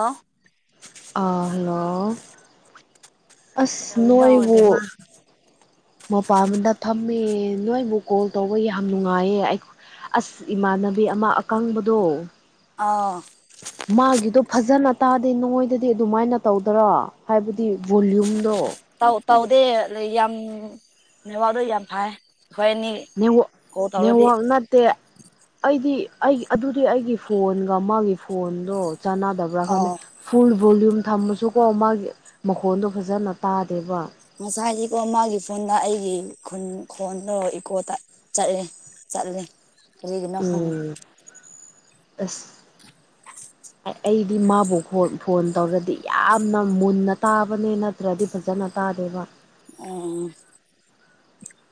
ꯑꯂ ꯑ ꯍꯂꯣ ꯑꯁ ꯀꯩꯗꯧꯔꯤꯅꯣ ꯅꯣꯏꯕꯨ ꯏꯕꯦꯝꯃ ꯃꯄꯥꯗ ꯊꯝꯃꯦ ꯅꯣꯏꯕꯨ ꯀꯣꯜ ꯇꯧꯕ ꯌꯥꯝ ꯅꯨꯡꯉꯥꯏꯌꯦ ꯑꯩ ꯑꯁ ꯏꯃꯥꯟꯅꯕꯤ ꯑꯃ ꯑꯀꯪꯕꯗꯣ ꯑꯥ ꯃꯥꯒꯤꯗꯣ ꯐꯖꯅ ꯇꯥꯗꯦ ꯅꯣꯡꯉꯣꯏꯗꯗꯤ ꯑꯗꯨꯃꯥꯏꯅ ꯇꯧꯗꯔꯥ ꯍꯥꯏꯕꯗꯤ ꯚꯣꯂ꯭ꯌꯨꯝꯗꯣ ꯇꯥꯎꯗꯦ ꯌꯥꯝ ꯅ ꯋꯥꯗꯩ ꯌꯥꯝ ꯐꯥꯏ ꯅꯦ ꯅꯦꯋꯥꯇ ꯑꯩꯗꯤ ꯑꯩ ꯑꯗꯨꯗꯤ ꯑꯩꯒꯤ ꯐꯣꯟꯒ ꯃꯥꯒꯤ ꯐꯣꯟꯗꯣ ꯆꯅꯥ ꯗꯕꯔ ꯑꯣ ꯐꯨꯜ ꯚꯣꯂꯌꯨꯝ ꯊꯝꯃꯁꯨꯀꯣ ꯃꯥꯒꯤ ꯃꯈꯣꯟꯗꯣ ꯐꯖꯅ ꯇꯥꯗꯦꯕ ꯉꯁꯥꯏ ꯍꯥꯏꯗꯤꯀꯣ ꯃꯥꯒꯤ ꯐꯣꯟꯗ ꯑꯩꯒꯤ ꯈꯨꯟ ꯈꯣꯟꯗ ꯏꯀꯣꯗ ꯆꯠꯂꯦ ꯆꯠꯂꯦ ꯔꯤꯛꯅ ꯈꯪ ꯎꯝ ꯑꯁ [inaudible] ꯑꯩꯗꯤ ꯃꯥꯕꯨ ꯐꯣꯟ ꯇꯧꯔꯗꯤ ꯌꯥꯝꯅ ꯃꯨꯟꯅ ꯇꯥꯕꯅꯦ ꯅꯠꯇ꯭ꯔꯗꯤ ꯐꯖꯅ ꯇꯥꯗꯕ ꯑꯣ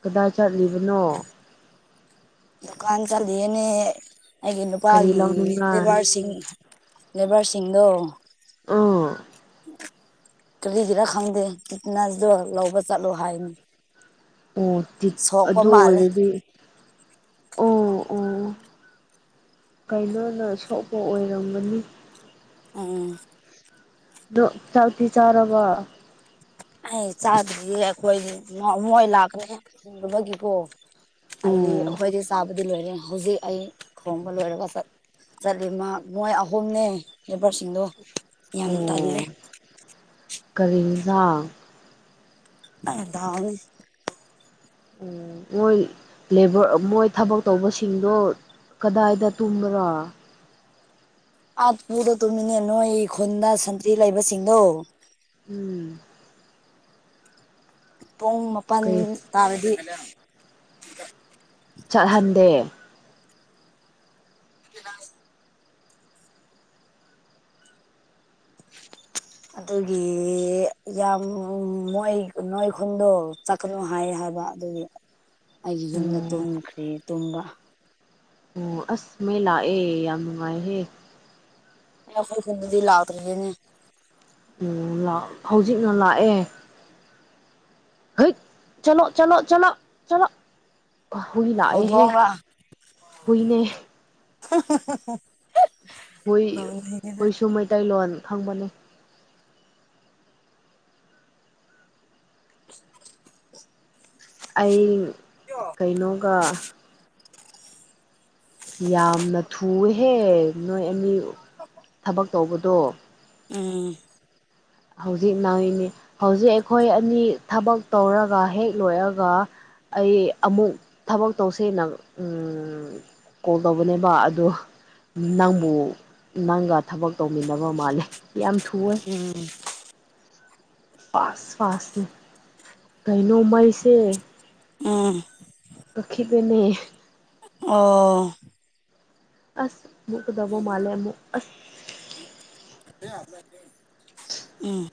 ꯀꯗꯥꯏ ꯆꯠꯂꯤꯕꯅꯣ ꯗꯨꯀꯥꯟ ꯆꯑꯅꯦ ꯑꯩꯒꯤ ꯀꯔꯤ ꯅꯨꯄꯥꯒꯤ ꯂꯧꯅꯤꯡꯉꯥꯏ ꯂꯦꯕꯔꯁꯤꯡ ꯂꯦꯕꯔ ꯊꯁꯤꯡꯒꯣ ꯑꯥ ꯀꯔꯤꯒꯤꯔ ꯈꯪꯗꯦ ꯐꯤꯠꯅꯦꯁꯗꯣ ꯂꯧꯕ ꯆꯠꯂꯣ ꯍꯥꯏꯅꯤ ꯑꯣ ꯇꯤ ꯁꯣꯛꯄ ꯑꯗꯨ ꯑꯣꯏꯔꯗꯤ ꯑꯣ ꯑ ꯑꯣ ꯀꯩꯅꯣꯅ ꯁꯣꯛꯄ ꯑꯣꯏꯔꯝꯒꯅꯤ ꯑꯥ ꯅ ꯆꯥꯎꯥꯎꯊꯤ ꯆꯥꯔꯕ ꯑꯩ ꯆꯥꯗ꯭ꯔꯤ ꯑꯩꯈꯣꯏ ꯃꯣꯏ ꯂꯥꯛꯀ꯭ꯔꯦꯕꯒꯤꯀꯣ ꯑꯣ ꯑꯩꯗꯤ ꯑꯩꯈꯣꯏꯗꯤ ꯆꯥꯕꯗꯤ ꯂꯣꯏꯔꯦ ꯍꯧꯖꯤꯛ ꯑꯩ ꯊꯣꯡꯕ ꯂꯣꯏꯔꯒ ꯆꯠꯂꯤ ꯃꯣꯏ ꯑꯍꯨꯝꯅꯦ ꯂꯦꯕꯔꯁꯤꯡꯗꯣ ꯌꯥꯝ ꯇꯜꯂꯦ ꯀꯔꯤꯖꯥ ꯑꯗꯥꯎ ꯎ ꯃꯣꯏꯕꯔ ꯃꯣꯏ ꯊꯕꯛ ꯇꯧꯕꯁꯤꯡꯗꯣ ꯀꯗꯥꯏꯗ ꯇꯨꯝꯕ꯭ꯔꯥ ꯑꯥꯠ ꯄꯨꯗ ꯇꯨꯝꯃꯤꯅꯦ ꯅꯣꯏ ꯈꯨꯟꯗ ꯁꯟꯇ꯭ꯔꯤ ꯂꯩꯕꯁꯤꯡꯗꯣ ꯎꯝ ꯄꯨꯡ ꯃꯥꯄꯜ ꯀꯩ ꯇꯥꯕꯗꯤ ꯆꯠꯍꯟꯗꯦ ꯑꯗꯨꯗ [unintelligible] ꯑꯗꯨꯒꯤ ꯌꯥꯝ ꯃꯣꯏ ꯅꯣꯏꯈꯟꯗꯣ ꯆꯠꯀꯅꯨ ꯍꯥꯏ ꯍꯥꯏ ꯐꯕ ꯑꯗꯨ ꯑꯩꯒꯤ ꯌꯨꯝꯗ ꯎꯝ ꯇꯨꯝꯈ꯭ꯔꯦ ꯇꯨꯝꯕ ꯑꯣ ꯑꯁꯃꯦ ꯂꯥ ꯑꯦ ꯌꯥꯝꯃꯅꯨꯡꯃꯍꯦ ꯑ ꯍꯈꯣꯏ ꯐꯗꯗꯤ ꯂꯥꯎꯇꯔꯅꯦ ꯑꯣ ꯍꯧꯖꯤꯛꯅ ꯂꯥꯛꯑꯦ ꯍ ꯆꯠ ꯆꯂ ꯆꯠ ꯆ ꯍꯨꯏ ꯂꯥꯑ ꯍꯦ ꯍꯧꯗꯣꯡꯔ ꯍꯏꯅꯦ [unintelligible] ꯍꯣꯏ ꯍꯣꯏꯁꯨ ꯃꯩꯇꯩꯂꯣꯟ ꯈꯪꯕꯅꯤ [unintelligible] ꯑꯩ ꯀꯩꯅꯣꯒ ꯌꯥꯝꯅ ꯊꯨꯑꯦꯍꯦ ꯅꯣꯏ ꯑꯅꯤ ꯊꯕꯛ ꯇꯧꯕꯗꯣ ꯎꯝ ꯍꯧꯖꯤꯛ ꯅꯪꯏꯅꯤ ꯍꯧꯖꯤꯛ ꯑꯩꯈꯣꯏ ꯑꯅꯤ ꯊꯕꯛ ꯇꯧꯔꯒ ꯍꯦꯛ ꯂꯣꯏꯔꯒ ꯑꯩ ꯑꯃꯨꯛ ꯊꯕꯛ ꯇꯧꯁꯦꯅ ꯀꯣꯜ ꯇꯧꯕꯅꯦꯕ ꯑꯣ ꯅꯪꯕꯨ ꯅꯪꯒ ꯊꯕꯛ ꯇꯧꯃꯤꯟꯅꯕ ꯃꯥꯜꯂꯦ ꯌꯥꯝ ꯊꯨꯋ ꯎꯝ ꯐꯥꯁ ꯐꯥꯁ ꯀꯥꯏꯅꯣ ꯃꯥꯏꯁ ꯎꯝ ꯄꯈꯤ ꯄꯅꯦ ꯑꯣ ꯑꯁ ꯃꯛ ꯀꯗꯧꯕꯣ ꯃꯥꯂꯦ ꯃꯛ ꯑꯁ ꯎꯝ [unintelligible]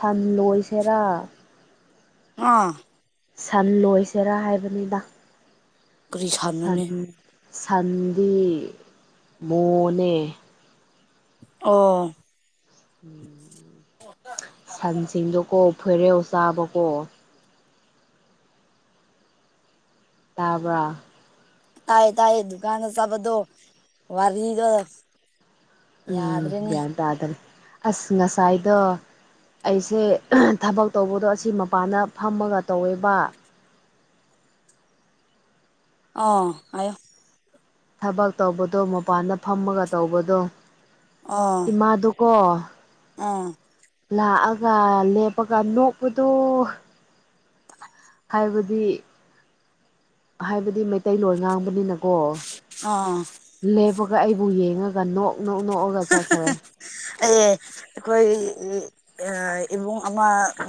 ꯊꯝꯂꯣꯏꯁꯤꯦꯔꯥ ꯑꯥ ꯁꯝ ꯂꯣꯏꯁꯤꯦꯔꯥ ꯍꯥꯏꯕꯅꯤꯗ ꯄꯨꯔꯤ ꯈꯥꯟꯨꯅꯤ ꯁꯟꯗꯤꯤ ꯃꯣꯅ ꯑꯣ ꯎꯝ ꯁꯟꯁꯤꯡꯗꯣꯀꯣ ꯐꯣꯏꯔꯦꯧ ꯆꯥꯕꯀꯣ ꯇꯥꯕ ꯇꯥꯌꯦ ꯇꯥꯌꯦ ꯗꯨꯀꯥꯟ ꯆꯕꯗꯨꯣ ꯋꯥꯔꯤꯗ ꯎꯝ ꯒ꯭ꯌꯥꯟ ꯇꯥꯗ꯭ꯔꯦ ꯑꯁ ꯉꯁꯥꯏꯗꯣ ꯑꯩꯁꯦ ꯊꯕꯛ ꯇꯧꯕꯗꯣ ꯑꯁꯤ ꯃꯄꯥꯟꯗ ꯐꯝꯃꯒ ꯇꯧꯋꯦꯕ ꯑ ꯑꯣ ꯊꯕꯛ ꯇꯧꯕꯗꯣ ꯃꯄꯥꯟꯗ ꯐꯝꯃꯒ ꯇꯧꯕꯗꯣ ꯑꯥ ꯏꯃꯥꯗꯨꯀꯣ ꯑꯥ ꯂꯥꯛꯑꯒ ꯂꯦꯞꯄꯒ ꯅꯣꯛꯄꯗꯣ ꯍꯥꯏꯕꯗꯤ ꯍꯥꯏꯕꯗꯤ ꯃꯩꯇꯩꯂꯣꯟ ꯉꯥꯡꯕꯅꯤꯅ ꯀꯣ ꯑꯥ ꯂꯦꯞꯄꯒ ꯑꯩꯕꯨ ꯌꯦꯡꯉꯒ ꯅꯣꯛ ꯅꯣꯛ ꯅꯣꯛꯑꯒ ꯆꯠꯈ꯭ꯔꯦ ꯑꯦ ꯑꯩꯈꯣꯏ ꯑ ꯑꯃ ꯎ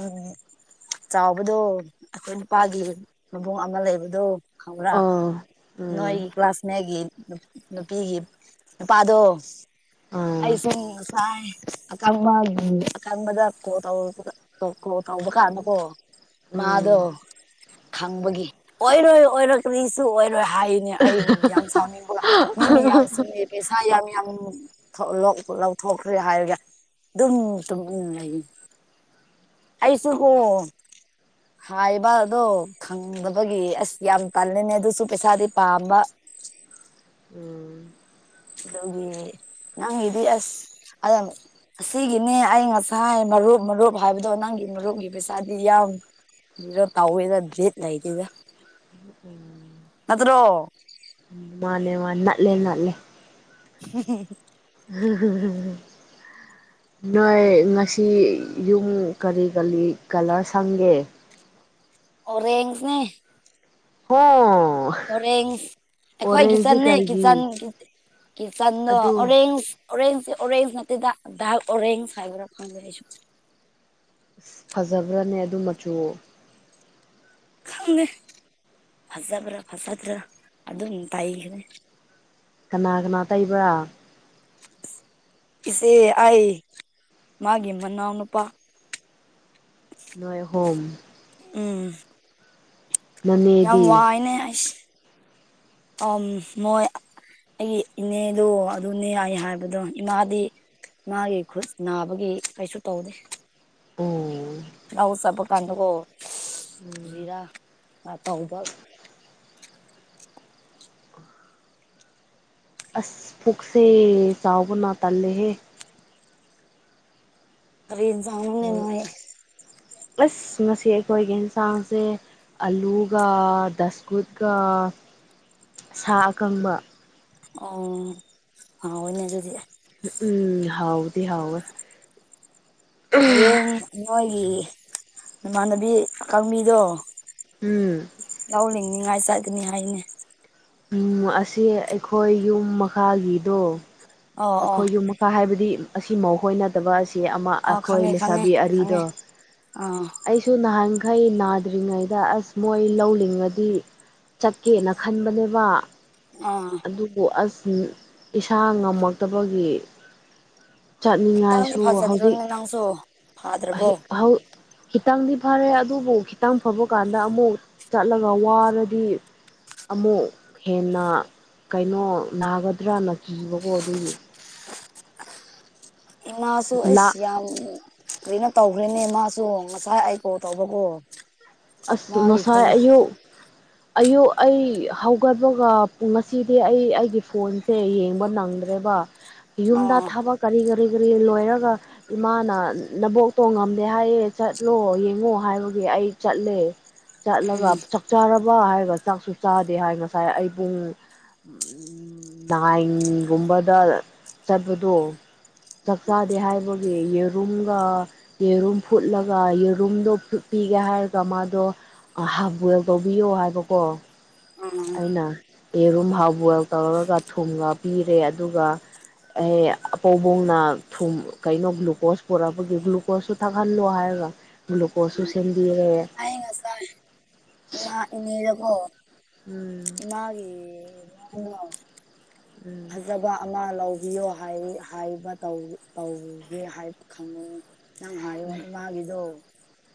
ꯆꯥꯎꯕꯗꯣ ꯑꯩꯈꯣꯏ ꯅꯨꯄꯥꯒꯤ ꯃꯕꯨꯡ ꯑꯃ ꯂꯩꯕꯗꯣ ꯈꯥꯎ꯭ꯔꯥ ꯑꯥ ꯎꯝ ꯅꯣꯏꯒꯤ ꯀ꯭ꯂꯥꯁ ꯃꯒꯤ ꯅꯨꯄꯤꯒꯤ ꯅꯨꯄꯥꯗꯣ ꯑꯥ ꯑꯩꯁꯦ ꯉꯁꯥꯏ ꯑꯀꯪꯕ ꯎ ꯑꯀꯪꯕꯗ ꯀ ꯀꯣ ꯇꯧꯕ ꯀꯥꯟꯗꯀꯣ ꯎꯝ ꯃꯥꯗꯣ ꯈꯪꯕꯒꯤ ꯑꯣꯏꯔꯣꯏ ꯑꯣꯏꯔꯛꯛꯇꯁꯨ ꯑꯣꯏꯔ ꯂꯣꯏ ꯍꯥꯏꯅꯦ ꯑꯩꯕꯨ ꯌꯥꯝ ꯁꯥꯎꯅꯤꯡꯕ ꯃꯤ ꯃꯤ ꯌꯥꯝ ꯆꯤꯡꯉꯦ ꯄꯩꯁꯥ ꯌꯥꯝ ꯌꯥꯝ ꯂꯧꯊꯣꯛꯈ꯭ꯔꯦ ꯍꯥꯏꯔꯒ ꯑꯗꯨꯝ ꯇꯨꯝ ꯂꯩꯅꯤ ꯑꯩꯁꯨꯒꯣ ꯍꯥꯏꯕꯗꯣ ꯈꯪꯗꯕꯒꯤ ꯑꯁ ꯌꯥꯝ ꯇꯜꯜꯂꯤꯅꯦ ꯑꯗꯨꯁꯨ ꯄꯩꯁꯥꯗꯤ ꯄꯥꯝꯕ [inaudible] ꯎꯝ ꯑꯗꯨꯣꯒꯤ ꯅꯪꯒꯤꯗꯤ ꯑꯁ ꯑꯁꯤꯒꯤꯅꯦ ꯑꯩ ꯉꯁꯥꯏ ꯃꯔꯨꯞ ꯃꯔꯨꯞ ꯍꯥꯏꯕꯗꯣ ꯅꯪꯒꯤ ꯃꯔꯨꯝꯒꯤ ꯄꯩꯁꯥꯗꯤ ꯌꯥꯝ ꯖꯤꯔꯣ ꯇꯧꯋꯦꯗ ꯗꯦꯠ ꯂꯩꯇꯦꯗ ꯅꯗꯨ꯭ꯔꯣ ꯃꯥꯅꯦ ꯃꯥꯅꯥꯂꯦꯅꯥꯂꯦ ꯎ ꯎꯝ ꯎꯝ ꯅꯣꯏ ꯉꯁꯤ ꯌꯨꯝ ꯀꯔꯤ ꯀꯔꯤ ꯀꯂꯔ ꯁꯪꯒꯦ ꯑꯣꯔꯦꯟꯖꯅꯦ ꯍ ꯍꯣꯔꯦꯟ ꯑꯩꯈꯣꯏꯒꯤ ꯆꯟꯟꯅ ꯀꯔꯤꯒꯤ ꯀꯆꯟ ꯀ ꯆꯥꯟꯅꯣ ꯑꯗꯨ ꯑꯣꯔꯦꯟꯖ ꯑꯣꯔꯦꯟꯖ ꯑꯣꯔꯦꯟꯖ ꯅꯠꯇꯦꯗ ꯗꯗꯥꯜ ꯑꯣꯔꯦꯟꯖ ꯍꯥꯏꯕ꯭ꯔꯥ ꯈꯪꯖꯁꯨ ꯁ ꯐꯖꯕ꯭ꯔꯥꯅꯦ ꯑꯗꯨ ꯃꯆꯨ ꯈꯪꯉꯦ ꯐꯖꯕ꯭ꯔꯥ ꯐꯖꯗ꯭ꯔꯥ ꯑꯗꯨꯝ ꯇꯥꯏꯈ꯭ꯔꯦ ꯀꯅꯥ ꯀꯅꯥ ꯇꯩꯕ꯭ꯔꯥ ꯏꯆꯦ ꯑꯩ ꯃꯥꯒꯤ ꯃꯅꯥꯎꯅꯨꯄꯥ [unintelligible] ꯅ ꯍꯣꯝ ꯎꯝ ꯌꯥꯝ ꯅꯅꯦꯗꯤ ꯋꯥꯏꯅꯦ ꯑꯩꯁꯦ ꯑ ꯃꯣꯏ ꯑꯩꯒꯤ ꯏꯅꯦꯗꯣ ꯑꯗꯨꯅꯦꯏ ꯍꯥꯏꯕꯗꯣ ꯏꯃꯥꯗꯤ ꯃꯥꯒꯤ ꯈꯨꯠ ꯅꯥꯕꯒꯤ ꯀꯩꯁꯨ ꯇꯧꯗꯦ ꯑꯣ ꯂꯎ ꯆꯕ ꯀꯥꯟꯗꯒꯣ ꯎꯝ ꯖꯤꯔꯥ ꯃꯥ ꯇꯧꯕ ꯑꯁ ꯐꯁꯦ ꯁꯥꯥꯎꯕꯅ ꯇꯥꯂꯦ ꯍꯦ ꯀ ꯏꯁꯡꯅꯣꯅꯦ ꯅꯣꯏ ꯑꯁ ꯉꯁꯤ ꯑꯩꯈꯣꯏꯒꯤ ꯌꯦꯟꯁꯥꯡꯁꯦ ꯑꯂꯨꯒ ꯗꯗꯥꯁꯀꯨꯠꯀ ꯁꯥ ꯑꯀꯪꯕ ꯑꯣꯅꯦ ꯑꯗꯨꯗꯤ ꯎꯝ ꯍꯥꯎꯗꯤ ꯍꯥꯎ ꯍꯌꯦꯡ ꯅꯣꯏꯒꯤ ꯏꯃꯥꯟꯅꯕꯤ ꯀꯥꯡꯃꯤꯗꯣ ꯎꯝ ꯉꯥꯏ ꯆꯠꯀꯅꯤ ꯍꯥꯏꯅꯦ ꯎ ꯑꯁꯤ ꯑꯩꯈꯣꯏ ꯌꯨꯝ ꯃꯈꯥꯒꯤꯗꯣ ꯑꯣ ꯑꯣ ꯑꯩꯈꯣꯏꯁꯨ ꯃꯈꯥ ꯍꯥꯏꯕꯗꯤ ꯑꯁꯤꯃꯈꯣꯏ ꯅꯠꯇꯕ ꯑꯁꯤ ꯑꯃ ꯑꯣ ꯑꯩꯈꯣꯏ ꯈꯪꯉꯦ ꯈꯪꯉꯦ ꯂꯩꯁꯥꯕꯤ ꯈꯪꯉꯦ ꯑꯗꯣ ꯑꯥ ꯑꯩꯁꯨ ꯅꯍꯥꯟ ꯈꯩ ꯅꯥꯗ꯭ꯔꯤꯉꯩꯗ ꯑꯁ ꯃꯣꯏ ꯂꯧꯜꯂꯤꯉꯗꯤ ꯆꯠꯀꯦꯅ ꯈꯟꯕꯅꯦꯕ ꯑꯥ ꯑꯗꯨꯕꯨ ꯑꯁ ꯏꯁꯥ ꯉꯝꯃꯛꯇꯕꯒꯤ ꯈꯤꯇꯪꯗꯤ ꯆꯠꯅꯤꯡꯉꯥꯏꯁꯨ ꯍꯧꯖꯤꯛ ꯐꯖꯗ꯭ꯔꯣꯅꯦ ꯅꯪꯁꯨ ꯐꯥꯗ꯭ꯔꯕꯣ ꯈꯤꯇꯪꯗꯤ ꯐꯔꯦ ꯑꯗꯨꯕꯨ ꯈꯤꯇꯪ ꯐꯕ ꯀꯥꯟꯗ ꯑꯃꯨꯛ ꯆꯠꯂꯒ ꯋꯥꯔꯗꯤ ꯑꯃꯨꯛ ꯍꯦꯟꯅ ꯀꯩꯅꯣ ꯅꯥꯒꯗ꯭ꯔꯅ ꯀꯤꯕꯀꯣ ꯑꯗꯨꯒꯤ ꯏꯃꯥꯁꯨ ꯑꯩꯁ ꯂꯥꯛ ꯌꯥꯝ ꯂꯣꯏꯅ ꯇꯧ ꯍꯧꯈ꯭ꯔꯦꯅꯦ ꯃꯥꯁꯨ ꯉꯁꯥꯏ ꯑꯩꯀꯣ ꯇꯧꯕꯀꯣ ꯃꯥꯒꯤ ꯉꯁꯥꯏ ꯈꯨꯟ ꯑꯌꯨꯛ ꯑꯌꯨꯛ ꯑꯩ ꯍꯧꯒꯠꯄꯒ ꯉꯁꯤꯗꯤ ꯑꯩ ꯑꯩꯒꯤ ꯐꯣꯟꯁꯦ ꯌꯦꯡꯕ ꯅꯪꯗ꯭ꯔꯦꯕ ꯌꯨꯝꯗ ꯑꯥ ꯊꯥꯕ ꯀꯔꯤ ꯀꯔꯤ ꯀꯔꯤ ꯀꯔꯤ ꯂꯣꯏꯔꯒ ꯏꯃꯥꯅ ꯅꯕꯣꯛꯇꯣꯡꯉꯝꯗꯦ ꯍꯥꯏꯌꯦ ꯆꯠꯂꯣ ꯌꯦꯡꯉꯣ ꯍꯥꯏꯕꯒꯤ ꯑꯩ ꯆꯠꯂꯦ ꯆꯠꯂꯒ ꯆꯥꯛ ꯆꯥꯔꯕ ꯍꯥꯏꯔꯒ ꯆꯥꯛꯁꯨ ꯆꯥꯗꯦ ꯍꯥꯏ ꯉꯁꯥꯏ ꯑꯩꯕꯨꯡ ꯏꯟꯒꯨꯝꯕꯗ ꯆꯠꯄꯗꯣ ꯆꯥꯛꯆꯥꯥꯗꯦ ꯍꯥꯏꯕꯒꯤ ꯌꯦꯔꯨꯝꯒ ꯌꯦꯔꯨꯝ ꯐꯨꯠꯂꯒ ꯌꯦꯔꯨꯝꯗꯣ ꯐ ꯄꯤꯒꯦ ꯍꯥꯏꯔꯒ ꯃꯥꯗꯣ ꯍꯥꯞꯕꯦꯜ ꯇꯧꯕꯤꯌꯣ ꯍꯥꯏꯕꯀꯣ ꯎꯝ ꯑꯩꯅ ꯌꯦꯔꯨꯝ ꯍꯥꯎ ꯕꯣꯏꯜ ꯇꯧꯔꯒ ꯊꯨꯝꯉ ꯄꯤꯔꯦ ꯑꯗꯨꯒ ꯑꯦ ꯑꯄꯕꯣꯡꯅ ꯊꯨꯝ ꯀꯩꯅꯣ ꯒ꯭ꯂꯨꯀꯣꯁ ꯄꯨꯔꯛꯄꯒꯤ ꯒ꯭ꯂꯨꯀꯣꯁꯁꯨ ꯊꯥꯛꯍꯜꯂꯣ ꯍꯥꯏꯔ ꯂꯒ꯭ꯂꯨꯀꯣꯁꯨ ꯁꯦꯝꯕꯤꯔꯦ ꯑꯩ ꯉꯁꯥꯏ ꯏꯗꯀꯣ ꯎꯝ ꯃꯥꯒꯤꯦ ꯎꯝ ꯑꯗꯨꯗꯕ ꯂꯧꯕꯤꯌꯣ ꯍꯥꯏꯕ ꯇꯧꯒꯦ ꯍꯥꯏꯕ ꯈꯪꯅ ꯅꯪ ꯍꯥꯏꯌꯣ ꯎꯝ ꯏꯃꯥꯒꯤꯗꯣ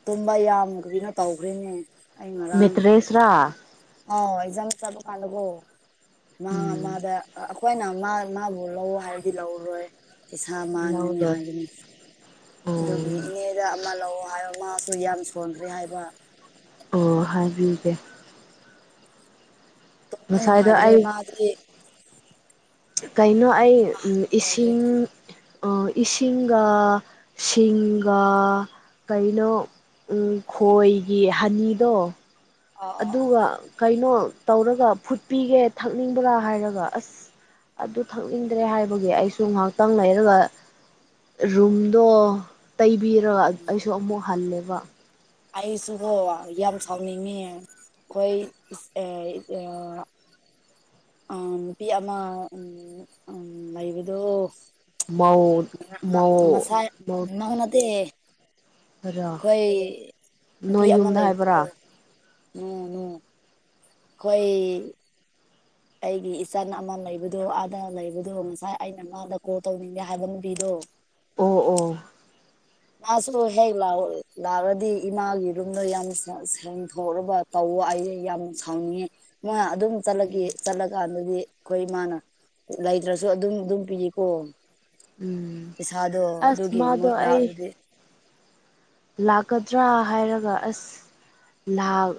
ꯇꯨꯝꯕ ꯌꯥꯝ ꯀ ꯀꯅꯣ ꯇꯧꯈ꯭ꯔꯦꯅꯦ ꯃꯦꯇ꯭ꯔꯦꯁ꯭ꯔꯥ ꯑꯣ ꯑꯦꯖꯥꯝ ꯆꯥꯕ ꯐꯥꯟꯂꯒꯣ ꯃꯥ ꯎꯝ ꯃꯥꯗ ꯑꯩꯈꯣꯏꯅ ꯃꯥꯕꯨ ꯂꯧ ꯍꯥꯏꯔꯗꯤ ꯂꯧꯔꯔꯣꯏ ꯏꯁꯥ ꯃꯥꯟꯒꯅꯤ ꯂꯧꯔꯣꯏ ꯍꯥꯏꯒꯅꯤ ꯑꯗꯨꯒꯤ ꯎꯝ ꯏꯅꯦꯗ ꯑꯃ ꯂꯧꯑꯣ ꯍꯥꯏꯕ ꯃꯥꯁꯨ ꯌꯥꯝ ꯁꯣꯟꯈ꯭ꯔꯦ ꯍꯥꯏꯕ ꯑꯣ ꯍꯥꯏꯕꯤꯒꯦ ꯇꯅꯅꯨꯡꯉ ꯉꯁꯥꯏꯗꯣ ꯍꯥꯏ꯭ꯔꯦ ꯑꯩ ꯃꯥꯦ ꯀꯩꯅꯣ ꯑꯩ ꯑꯍꯟ ꯏꯁꯤꯡ ꯑꯣꯏꯈ꯭ꯔꯦꯅꯦ ꯏꯁꯤꯡꯒ ꯁꯤꯡꯒꯥ ꯀꯩꯅꯣ ꯈꯣꯏꯒꯤ ꯍꯅꯤꯗꯣ ꯑꯥ ꯑꯥ ꯑꯗꯨꯒ ꯀꯩꯅꯣ ꯇꯧꯔꯒ ꯐꯨꯠꯄꯤꯒꯦ ꯊꯛꯅꯤꯡꯕ꯭ꯔꯥ ꯍꯥꯏꯔꯒ ꯑꯁ ꯑꯗꯨ ꯊꯛꯅꯤꯡꯗ꯭ꯔꯦ ꯍꯥꯏꯕꯒꯤ ꯑꯩꯁꯨ ꯉꯥꯏꯍꯥꯛꯇꯪ ꯂꯩꯔꯒ ꯔꯨꯝꯗꯣ ꯇꯩꯕꯤꯔ ꯑꯩꯁꯨ ꯑꯃꯨꯛ ꯍꯜꯂꯦꯕ ꯑꯩꯁꯨꯕꯣ ꯌꯥꯝ ꯁꯥꯎꯅꯤꯡꯉ ꯑꯩꯈꯣꯏ ꯑ ꯅꯨꯄꯤ ꯑꯃ ꯎ ꯂꯩꯕꯗꯣ ꯃꯧ ꯃꯧ ꯉꯁꯥꯏ ꯃꯧ ꯅꯅꯥꯍꯅꯗꯤ ꯔꯥ ꯑꯩꯈꯣꯏ ꯅꯨꯗꯤ ꯅꯣꯏ ꯑꯃ ꯌꯨꯝꯗ ꯍꯥꯏꯕ꯭ꯔꯥ ꯂꯩꯕꯗꯣ ꯅꯅ ꯑꯩꯣꯏ ꯑꯩꯒꯤ ꯏꯆꯟ ꯑꯃ ꯂꯩꯕꯗꯣ ꯑꯥꯗ ꯂꯩꯕꯗꯣ ꯉꯁꯥꯏ ꯑꯩꯅ ꯃꯥꯗ ꯀꯣꯜ ꯇꯧꯅꯤꯡꯉꯦ ꯍꯥꯏꯕ ꯃꯕꯤꯗꯣ ꯑꯣ ꯑꯣ ꯃꯥꯁꯨ ꯍꯦꯛ ꯂ ꯂꯥꯛꯑꯗꯤ ꯏꯃꯥꯒꯤ ꯔꯨꯝꯗ ꯌꯥꯝ ꯁꯦꯡꯗꯣꯛꯕ ꯇꯧ ꯑꯩ ꯌꯥꯝ ꯁꯥꯎꯅꯤꯡꯉꯦ ꯃꯣꯏ ꯑꯗꯨꯝ ꯆꯠꯂꯒꯦ ꯆꯠꯂ ꯀꯥꯟ ꯍꯥꯏꯗꯤ ꯑꯩꯈꯣꯏ ꯏꯃꯅ ꯂꯩꯇ꯭ꯔꯁꯨ ꯑꯗꯨꯝ ꯑꯗꯨꯝ ꯄꯤꯔꯤꯀꯣ ꯎꯝ ꯄꯩꯁꯥꯗꯣ ꯑꯁ ꯑꯗꯨꯒꯤ ꯃꯥꯗꯣ ꯃꯣꯏ ꯂꯥ ꯑꯩ ꯂꯥꯛꯀꯗ꯭ꯔꯥ ꯍꯥꯏꯔꯒ ꯑꯁ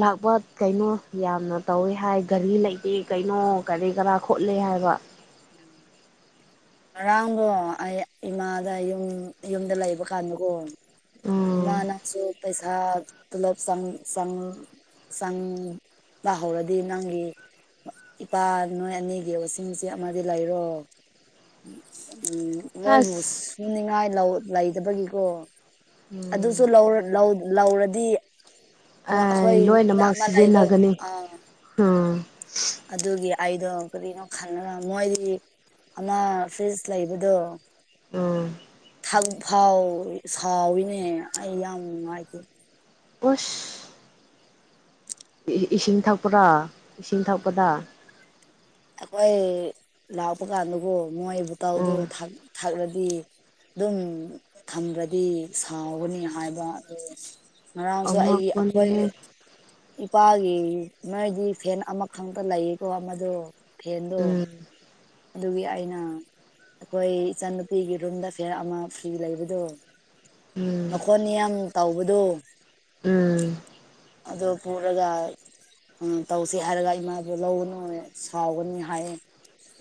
ꯂꯥꯛꯄ ꯀꯩꯅꯣ ꯌꯥꯝꯅ ꯇꯧꯋꯦ ꯍꯥꯏ ꯒꯥꯔꯤ ꯂꯩꯇꯦ ꯀꯩꯅꯣ ꯀꯔꯤ ꯀꯔꯥ ꯈꯣꯠꯂꯤꯦ ꯍꯥꯏ ꯍꯥꯏꯕ ꯎꯝ ꯉꯔꯥꯡꯗꯣ ꯑꯩ ꯏꯃꯥꯗ ꯌꯨꯝ ꯌꯨꯝꯗ ꯂꯩꯕ ꯀꯥꯟꯗꯀꯣ ꯎꯝ ꯃꯥꯅꯁꯨꯣ ꯄꯩꯁꯥ ꯄꯨꯂꯞ ꯁ ꯁ ꯁ ꯂꯥꯍꯧꯔꯗꯤ ꯅꯪꯒꯤ ꯏꯄꯥ ꯅꯣꯏ ꯑꯅꯤꯒꯤ ꯋꯥꯁꯤꯡ ꯑꯃꯗꯤ ꯂꯩꯔꯣ ꯎꯝ ꯃꯣꯏꯕꯨ ꯑꯁ ꯁꯨꯅꯤꯡꯉꯥꯏ ꯂꯧ ꯂꯩꯗꯕꯒꯤꯀꯣ ꯑꯗꯨꯁꯨ ꯎꯝ ꯂꯧꯔꯗꯤ ꯑꯦ ꯍꯈꯣꯏ ꯌꯨꯝꯗ ꯂꯣꯏꯅꯃꯛ ꯑꯃ ꯂꯩꯕ ꯁꯤꯖꯤꯟꯅꯒꯅꯤ ꯑꯥ ꯎꯝ ꯑꯗꯨꯒꯤ ꯑꯩꯗꯣ ꯀꯔꯤꯅꯣ ꯈꯜꯂꯒ ꯃꯣꯏꯗꯤ ꯑ ꯐ꯭ꯔꯤꯖ ꯂꯩꯕꯗꯣ ꯎꯝ ꯊꯛ ꯐꯥꯎ ꯁꯥꯎꯋꯤꯅꯦ ꯑꯩ ꯌꯥꯝ ꯅꯨꯡꯉꯥꯏꯇꯦ ꯑꯣꯁ ꯏꯁꯤꯡ ꯊꯛꯄ꯭ꯔꯥ ꯏꯁꯤꯡ ꯊꯛꯄꯗ ꯑꯩꯈꯣꯏ ꯂꯥꯛꯄ ꯀꯥꯟꯗꯒꯣ ꯃꯣꯏ ꯕꯨꯇꯧꯗꯣ ꯎꯝ ꯊꯛꯂꯗꯤ ꯑꯗꯨꯝ ꯊꯝꯕꯗꯤ ꯁꯥꯎꯒꯅꯤ ꯍꯥꯏꯕ ꯑꯗꯨ ꯉꯔꯥꯡꯁꯨ ꯑꯩꯒꯤ ꯑꯩꯈꯣꯏ ꯑꯉꯛꯄꯅꯤꯍꯦ ꯏꯄꯥ ꯃꯣꯏꯗꯤ ꯐꯦꯟ ꯑꯃꯈꯛꯇ ꯂꯩꯌꯦꯀꯣ ꯑꯃꯗꯣ ꯐꯦꯟꯗꯣ ꯎꯝ ꯑꯗꯨꯒꯤ ꯑꯩꯅ ꯑꯩꯈꯣꯏ ꯏꯆꯟꯅꯨꯄꯤꯒꯤ ꯔꯨꯝꯗ ꯐꯤꯌꯥꯔ ꯑꯃ ꯐꯤꯔꯤ ꯂꯩꯕꯗꯣ ꯎꯝ ꯃꯈꯣꯟꯅꯤꯌꯥꯝ ꯇꯧꯕꯗꯨ ꯎꯝ ꯑꯗꯨꯗ ꯐꯨꯠꯂꯒ ꯎ ꯇꯧꯁꯤ ꯍꯥꯏꯔꯒ ꯏꯃꯥꯗ ꯂꯧꯒꯅꯨ ꯁꯥꯎꯒꯅꯤ ꯍꯥꯏꯌꯦ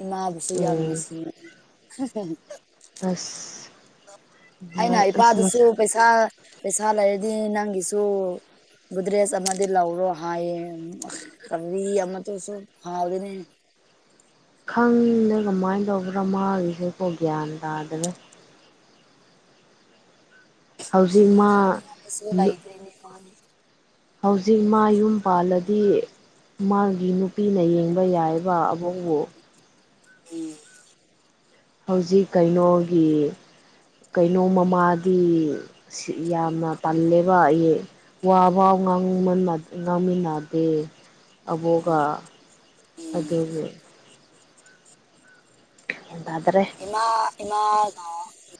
ꯏꯃꯥꯕꯨꯁꯨ ꯌꯥꯝ ꯎꯝ ꯅꯨꯡꯁꯤ ꯑꯁ ꯑꯩꯅ ꯑꯁ ꯏꯄꯥꯗꯨꯁꯨ ꯄꯩꯁꯥ ꯄꯩꯁꯥ ꯂꯩꯔꯗꯤ ꯅꯪꯒꯤꯁꯨ ꯒꯨꯗꯔꯦꯁ ꯑꯃꯗꯤ ꯂꯧꯔꯣ ꯍꯥꯏꯌꯦ ꯀꯕꯤ ꯑꯃꯇꯁꯨ ꯍꯥꯎꯗꯅꯦ [unintelligible] ꯈꯪꯗ ꯀꯃꯥꯏꯅ ꯇꯧꯕ꯭ꯔꯥ ꯃꯥꯒꯤꯁꯦꯀꯣ ꯒ꯭ꯌꯥꯟ ꯇꯥꯗꯅꯦ ꯍꯧꯖꯤꯛ ꯎꯝ ꯃꯥ ꯈꯃꯤꯉꯥꯏꯁꯣꯂꯗ꯭ꯔꯦꯅꯤ ꯃꯥꯅꯤ ꯍꯧꯖꯤꯛ ꯃꯥ ꯌꯨꯝ ꯄꯥꯜꯂꯗꯤ ꯃꯥꯒꯤ ꯅꯨꯄꯤꯅ ꯌꯦꯡꯕ ꯌꯥꯏꯕ ꯑꯕꯣꯛꯕꯨ ꯎꯝ ꯍꯧꯖꯤꯛ ꯀꯩꯅꯣꯒꯤ ꯀꯩꯅꯣ ꯃꯃꯥꯗꯤ ꯌꯥꯝꯅ ꯇꯜꯂꯦꯕ ꯑꯩ ꯋꯥ ꯋꯥ ꯉꯥꯡꯃꯟꯕ ꯉꯥꯃꯤꯟꯅꯗꯦ ꯑꯕꯣꯒ ꯎꯝ ꯑꯗꯨꯕꯨ ꯇꯥꯗ꯭ꯔꯦ ꯏꯃꯥ ꯏꯃꯥ